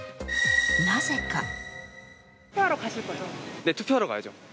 なぜか。